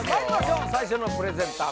最初のプレゼンター